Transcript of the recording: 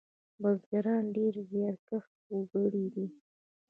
بزگران ډېر زیارکښ وگړي دي.